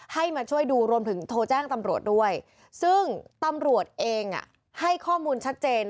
ให้มาช่วยดูรวมถึงโทรแจ้งตำรวจด้วยซึ่งตำรวจเองให้ข้อมูลชัดเจน